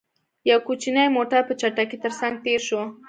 يو کوچينی موټر، په چټکۍ تر څنګ تېر شو.